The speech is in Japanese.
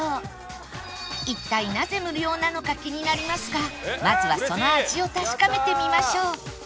一体なぜ無料なのか気になりますがまずはその味を確かめてみましょう